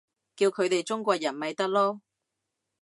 叫佢哋中國人咪得囉